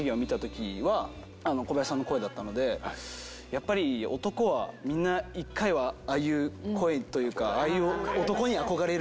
やっぱり男はみんな１回はああいう声というかああいう男に憧れる。